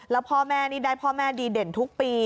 แล้วพ่อแม่นี่ได้พ่อแม่ดีเด่นทุกปี